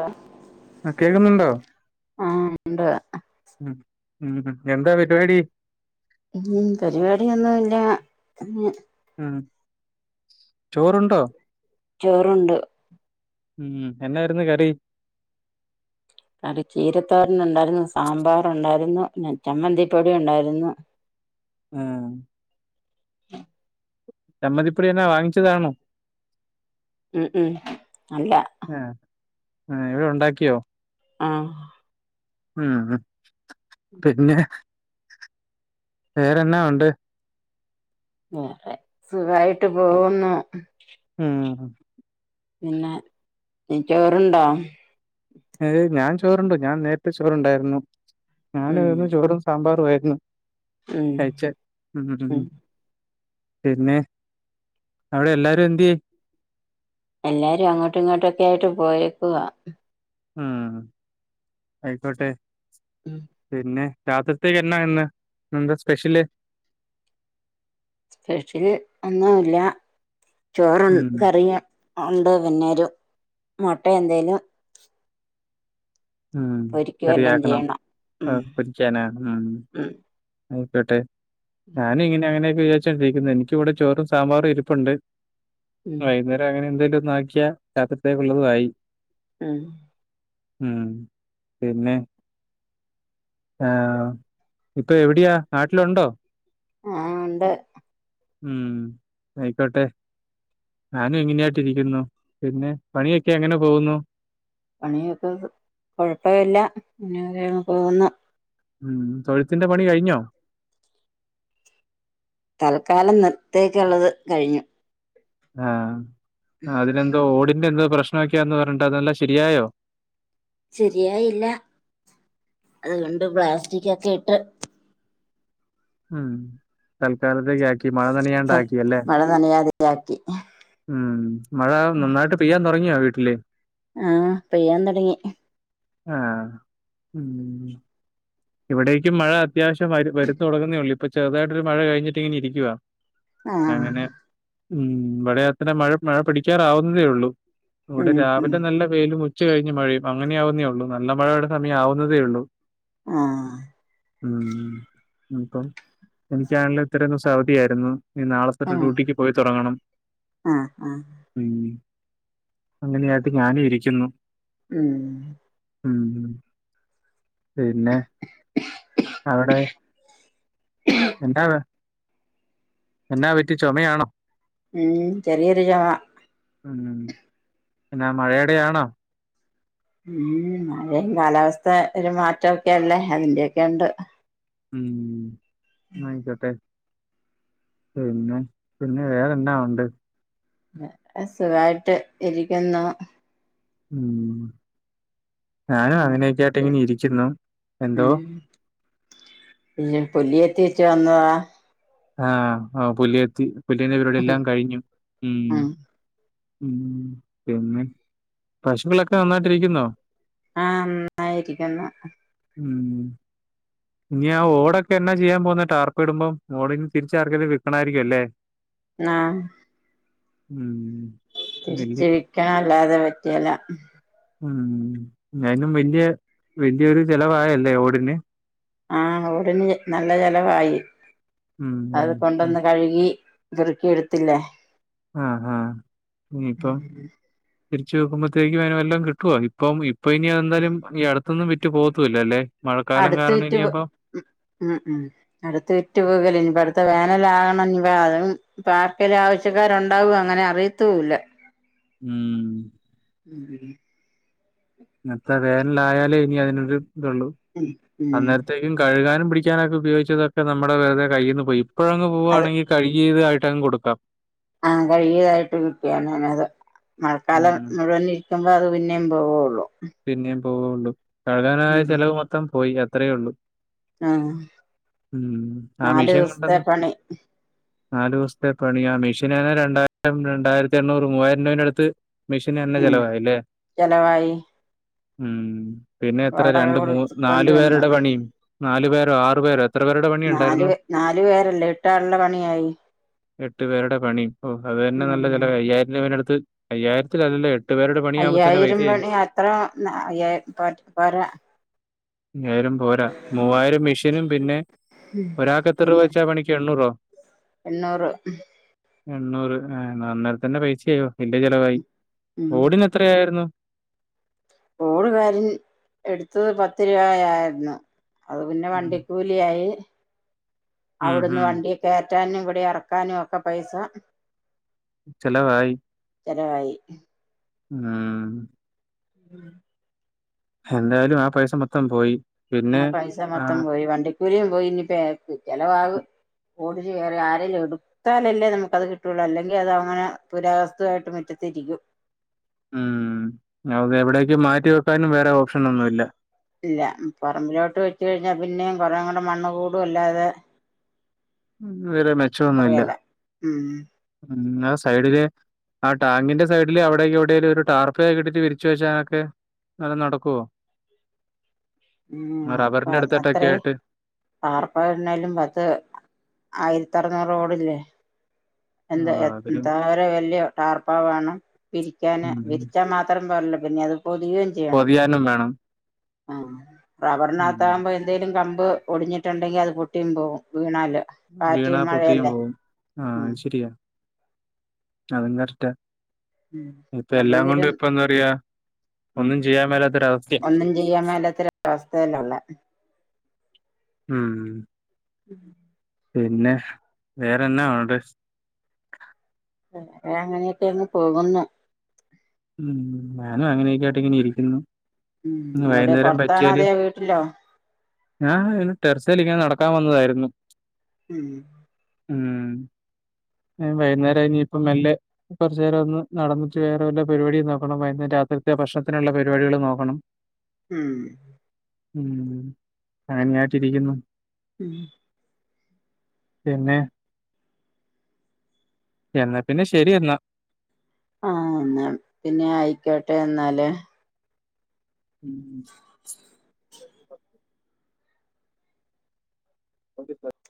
ആ ആ ആ ഉണ്ട് ഉം ഉം എന്താ പരുപാടി ഉം പരിപാടിയൊന്നും ഇല്ല ഉം ചോറുണ്ടോ ചോറുണ്ടു ഉം എന്നായിരുന്നു കറി കറി ചീരത്തോരൻ ഉണ്ടായിരുന്നു സാമ്പാറ് ഉണ്ടായിരുന്നു ചമ്മന്തിപ്പൊടി ഉണ്ടായിരുന്നു ആ [inaudible] ചമ്മന്തിപൊടി എന്നാ വാങ്ങിച്ചതാണോ ഉം ഉം അല്ല ആ ആ ഇവിടെ ഉണ്ടാക്കിയോ ആ ഉം പിന്നെ വേറെന്നാ വുണ്ട് വേറെ സുഖായിട്ട് പോകുന്നു ഉം പിന്നെ ചോറുണ്ടോ ഏ് ഞാൻ ചോറുണ്ടു ഞാൻ നേരത്തെ ചോറണ്ടായിരുന്നു ഞാൻ ഉം വന്ന് ചോറും സാമ്പാറും ആയിരുന്നു ഉം ടെൻഷൻ ഉം പിന്നെ അവിടെ എല്ലാരും എന്ത്യേ എല്ലാരും അങ്ങോട്ടും ഇങ്ങോട്ടൊക്കെ ആയിട്ട് പോയേക്കുവാ ആ ആയിക്കോട്ടെ ഉം പിന്നെ രാത്രിത്തേക്ക് എന്നാ ഇന്ന്, ഇന്ന് എന്താ സ്പെഷ്യല് സ്പെഷ്യൽ ഒന്നുല്ല ചോറും ഉം കറിയുണ്ട് പിന്നൊരു മൊട്ട എന്തേലും ഉം പൊരിക്കുവെല്ലാം കറിയാക്കണ ചെയ്യണം ഉം പൊരിക്ക ല്ലെ ഉം ആയിക്കോട്ടെ ഞാനി ഇങ്ങനെ അങ്ങനെ ച്ചണ്ടിരിക്കുന്നത് എനിക്കിവിടെ ചോറും സാമ്പാറും ഇരിപ്പുണ്ട് ഉം വൈന്നേരം അങ്ങനെ എന്തേലു ന്നാക്കിയ രാത്രിത്തേക്കുള്ളതുവായി. ഉം ഉം പിന്നെ ആ ഇപ്പോ എവിടെയാ നാട്ടിലൊണ്ടോ? ആ ഒണ്ട്. ഉം ആയിക്കോട്ടെ, ഞാനും ഇങ്ങനെയായിട്ടിരിക്കുന്നു, പിന്നെ പണിയൊക്കെ എങ്ങനെ പോകുന്നു. പണിയൊക്കെ കൊഴപ്പല്ല ഇങ്ങനെയൊക്കെ അങ്ങ് പോകുന്നു. ഉം തൊഴുത്തിന്റെ പണി കഴിഞ്ഞോ? തല്ക്കാലം ഇന്ന് ത്തേക്കൊള്ളത് കഴിഞ്ഞു. ആ ആ അതിനെന്തോ ഓടിന്റെ എന്തോ പ്രശ്നൊക്കെയാന്ന് പറഞ്ഞിട്ടതല്ലാം ശെരിയായോ? ശെരിയായില്ല അതുകൊണ്ട് പ്ലാസ്റ്റിക് ഒക്കെ ഇട്ട് ഉം തൽക്കാല് [unintelligible] ആക്കി മഴ നനിയാണ്ടാക്കിയല്ലേ, മഴ നനയാതെയാക്കി ഉം മഴ നന്നായിട്ട് പെയ്യാൻ തൊടങ്ങിയോ വീട് [unintelligible] ആ പെയ്യാൻ തൊടങ്ങി. ആ ഉം ഇവിടേക്കും മഴ അത്യാവശ്യം വരു വരുന്ന് തൊടങ്ങുന്നേയുള്ളൂ, ഇപ്പ ചെറുതായിട്ടൊരു മഴ കഴിഞ്ഞിട്ട് ഇങ്ങനെ ഇരിക്കുവാ. ആ അങ്ങനെ ഉം ഇവിടെയത്രെ മഴ മഴ പിടിക്കാറാവുന്നതേ ഒള്ളൂ. ഇവിടെ ഉം ഉം രാവിലെ നല്ല വെയിലും ഉ ഉച്ച് കഴിഞ്ഞ് മഴയും അങ്ങനെ ആവുന്നേ ഒള്ളൂ, നല്ല മഴയുടെ സമയം ആവുന്നതേ ഒള്ളൂ. ആ ഉം മ് അപ്പം എനിക്കാണെലിത്രെ ദിവസം അവധിയായിരുന്നു. ഇനി നാളെത്തട്ട് ഡ്യൂട്ടിക്ക് പോയി തൊടങ്ങണം. ആ ആ അങ്ങനെയായിട്ട് ഞാനും ഇരിക്കുന്നു. ഉം മ് പിന്നെ അവടെ എന്താ എന്നാ പറ്റി ചൊമയാണോ? ഉം ചെറിയൊരു ചൊമ. ഉം പിന്നെ മഴടെയാണോ? ഉം മഴയും കാലാവസ്ഥ ഒരു മാറ്റൊക്കെയല്ലേ അതിന്റെയൊക്കെ ഉണ്ട്. ഉം ആയിക്കോട്ടെ. പിന്നെ പിന്നെ വേറെന്നാ ഒണ്ട്. സുഖായിട്ട് ഇരിക്കുന്നു. ഉം ഞാനും അങ്ങനെയൊക്കെ ആയിട്ട് ഇങ്ങനെ ഇരിക്കുന്നു എന്തോ ഉം ത്തിച്ച് വന്നതാ ആഹ് ആ പുലിഎത്തി പുല്ലി വന്നാവരുടെ എല്ലാം കഴിഞ്ഞു ഉം ഉം പിന്നെ പശുക്കളൊക്കെ നന്നായിട്ട് ഇരിക്കുന്നോ ആഹ് നന്നായിരിക്കുന്നു ഉം ഇനി ആ ഓടൊക്കെ എന്നാ ചെയ്യാൻ പോവുന്നെ ടാർപ്പ ഇടുമ്പം ഓടിന്ന് തിരിച്ചറക്കിയത് കിട്ടണായിരിക്കും അല്ലേ ആഹ് ഉം വല്യ തിരിച്ച് വെക്കാൻ അല്ലാതെ പറ്റ്കേല്ല ഉം ഞയിനും വല്യ വല്യൊരു ചെലവായല്ലേ ഓടിന് ആഹ് ഓടിന് നല്ല ചലവായി ഉം അത് കൊണ്ടൊന്ന് കഴുകി വെറുക്കിെയെടുത്തില്ലേ ആഹ് ആഹ് ഉം ഉ തിരിച്ച് വെക്കുമ്പഴത്തേക്കും അതിന് വല്ലോം കിട്ടുവോ ഇപ്പം ഇപ്പൊ ഇനി അതെന്താലും ഈ അടുത്തൊന്നും വിറ്റ് പോകത്തൂല്ല അല്ലേ മഴക്കാലം അടുത്ത് കാരണം വിറ്റ് ഇനിയപ്പം ഉം ഉം അടുത്ത് വിറ്റ് പോകുല ഇനിപ്പ അടുത്ത വേനലാ വാ [unintelligible] പാർക്കൽ ആവശ്യക്കാരു ണ്ടാവും അങ്ങനെ അറിയത്തൂല്ല ഉം ഉ ഇന്നത്ത വേനലായാലേ ഇനി അതിനൊരു ഇതള്ളൂ ഉം ഉം അന്നേരത്തേക്കും കഴുകാനും പിടിക്കാനൊക്കെ ഉപയോഗിച്ചതൊക്കെ നമ്മടെ വെറുതെത കൈയീന്ന് പോയി ഇപ്പോഴങ് അത് പോവാണെങ്കിൽ കഴുകിയതാ ട്ടങ് കൊടുക്കാം ആഹ് കഴികിയതായിട്ട് [unintelligible] അത് മഴക്കാലം ഉം മുഴുവൻ ഇരിക്കുമ്പോ അത് പി ന്നെം പൊവൊള്ളൂ പിന്നെം പോവോണ്ട് കഴുകാനായ ഉം ചിലവ് മൊത്തം പോയി അത്രേ ഉള്ളൂ ആഹ് ഉം ആ നാലു മെഷീൻ ദിവസത്തെ കൊണ്ടന്ന് പണി നാല് ദിവസത്തെ പണി ആ മെഷീനന്നെ രണ്ടായിരം രണ്ടായിരത്തി എണ്ണൂറ് മൂവായിരംരൂപയുടെ അടുത്ത് മെഷീന് തന്നെ ഉം ചെലവായില്ലേ ചലവായി ഉം പിന്നെ എത്ര രണ്ട് മൂ നാലു കൊടുക്കേണ്ടി വന്നു പേരുടെ പണിയും നാല് പേരോ ആറ്പോരോ എത്ര പേരുടെ പണിയ നാല് ഉണ്ടായിരുന്നു നാലു പേരല്ലേ എട്ടാളുള്ള പണിയായി എട്ടു പേരുടെ പണി ഓ അത് തന്നെ നല്ല ഉം ചിലവി അയ്യായിരം രൂപേ അടുത്ത് അയ്യായിരത്തി അല്ലെ എട്ട് പത്ത്പേരുടെ പണിയാവുമ്പോന്നെ അയ്യായിരം പൈസായില്ലേ പണി അത്ര അയ്യായിര പോരാ അയ്യായിരം പോരാ മൂവായിരം മെഷീനും പിന്നെ ഒരാക്ക് എത്ര പിന്നെ വെച്ചാ പണിക്ക് എണ്ണൂറോ എണ്ണൂറ് എണ്ണൂറ് ആഹ് അന്നേരതന്നെ പൈസയോ എന്റെ ചെല്ലവായി ഉം ഓടിന്ന് എത്രായിരുന്നു ഓടുകാര് എടുത്തത് പത്ത് രൂപയായിരുന്നു അത് പിന്നെ വണ്ടിക്കൂലിയായി ഉം അവിടുന്ന് ഉം വണ്ടിയൊക്കെ മാറ്റാനും ഇവിടെ ഇറക്കാനും ഒക്കെ പൈസ ചലവായി ചലവായി ആഹ് [inaudible] എന്തായാലും ആഹ് പൈസ മൊത്തം പോയി പിന്നെ ആഹ് പൈസ ആ മൊത്തം പോയി വണ്ടി ഒരു പോയിനി ചിലവാവ് ഓടിന്ന് കയറി ആരെലും എടുത്താലല്ലേ നമുക്ക് അത് കിട്ടുള്ളൂ അല്ലെങ്കിൽ അത് അങ്ങനെ പുരാവസ്തുവാ യിട്ട് മുറ്റത്തിരിക്കും ഉം അതെ എവിടേക്കും മാറ്റി വെക്കാനും വേറെ ഓപ്ഷന ഒന്നും ഇല്ല ഇല്ല പറമ്പിലോട്ട് വെച്ച് കഴിഞ്ഞാ പിന്നെയും കുറെകൂടെ മണ്ണ് കൂടും അല്ലാതെ വേറെ മെച്ചമൊന്നുല്ല കൊറയല്ല ഉം ഉം ആഹ് സൈഡില് ആഹ് ടാങ്ങിന്റെ സൈഡില് അവിടേക്ക് എവിടെല്ലും ഒരു ടാർപ്പേക്ക ഇട്ടിട്ട് വിരിച്ച് വെച്ചാനൊക്കെ നല്ല നടക്കുവോ ഉം അപ്പൊ റബ്ബറിന്റെ അടുത്തിട്ടൊക്കെ അത്രേ ആയിട്ട് പാർപ്പുന്നാലും പത് ആയിരത്തി അറനൂറ് റോഡല്ലേ എന്ത് ആ അതിലും എന്ത വലിയ ടാർപ്പ വേണം വിരിക്കാന് ഉം ഉം വിരിച്ചാ മാത്രം പറ പിന്നെ അത് പൊതിയാനും വേണം ആഹ റബറിനകത്ത ഉം ആകുമ്പോ എന്തങ്കലും ക കമ്പ് ഒടിഞ്ഞിട്ടുണ്ടെങ്കിൽ അത് പൊട്ടിയും പോകും വീണല്ലോ വീണാ പൊട്ടിയും പോകവും ആഹ ഉം ശരിയാ അതും കറക്റ്റ ഉം ഇപ്പ അത് എല്ലാം ഇതിലും കൊണ്ടും ഇപ്പ എന്താ പറയാ ഒന്നും ചെയ്യാൻ മേലാത്തൊരവസ്ഥേണ്. തേലാ ഉള്ളെ. ഊം ഉഹും പിന്നെ വേറെന്നാ ഒണ്ട്? അങ്ങനെയൊക്കെയങ്ങ് പോകുന്നു. ഉം ഞാനും അങ്ങനെയൊക്കെ ആയിട്ട് ഇങ്ങനെ ഇരിക്കുന്നു. ഉം ഇന്ന് എവിടെ വൈകുന്നേരം പൊറത്താണോ പറ്റിയാല് അതോ വീട്ടിലോ? ഞാൻ ഇങ്ങനെ ടെർസേൽ ഇങ്ങനെ നടക്കാൻ വന്നതായിരുന്നു. ഉം ഉം വൈകുന്നേരം ഇനിയിപ്പ മെല്ലെ കുറച്ചു നേരം ഒന്ന് നടന്നിട്ട് വേറെ വല്ല പരിപാടിയും നോക്കണം. വൈന്നേ രാത്രിത്തെ ഭക്ഷണത്തിനുള്ള പരിപാടികൾ നോക്കണം. ഉം ഉം ഹാങായിട്ടിരിക്കുന്നു. ഉം പിന്നെ എന്നാ പിന്നെ ശരി എന്നാ. ആഹ് എന്നാ പിന്നെ ആയിക്കോട്ടെ എന്നാല് ഉം ഉ ഓക്കെ സർ